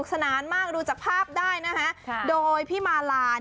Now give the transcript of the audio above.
สามีฉันจ้า